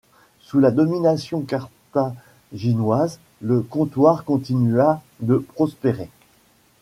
Sous la domination Carthaginoise, le comptoir continua de prospérer.